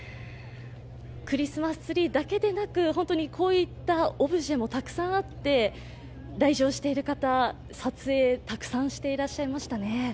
クリスマスツリーだけでなくオブジェもたくさんあって来場している方、撮影をたくさんしていらっしゃいましたね。